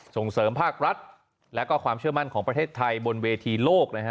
ส่งเสริมภาครัฐและก็ความเชื่อมั่นของประเทศไทยบนเวทีโลกนะฮะ